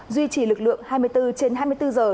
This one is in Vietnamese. duy trì lực lượng hai mươi bốn trên hai mươi bốn giờ